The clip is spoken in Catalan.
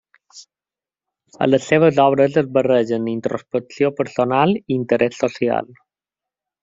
A les seves obres es barregen introspecció personal i interès social.